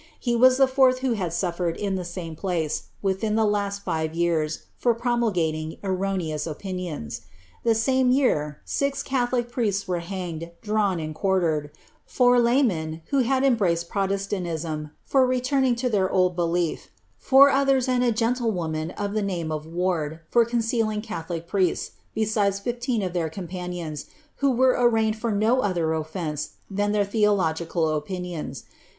Hf was the fourth who had suffered, in the same place, within the last ti" years, for promulgating erroneous opinions.' The same year, sis ratho 'Adams' Biogiapn'n:»\ Dicuon».tl. '^V«mfteld"s NotM ich. VLIIABSTH. 101 lie priests were hanged, drawn, and quartered ; four laymen, who had embn^ed protestantism, for returning to their old belief; four others, and a gentlewoman of the name of Ward, for concealing catholic priests, besides fifteen of their companions, who were arraigned for no other oflfence than their theological opinions.'